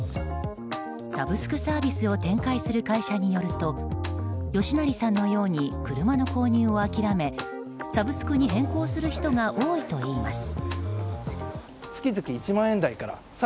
サブスクサービスを展開する会社によると吉成さんのように車の購入を諦めサブスクに変更する人が多いといいます。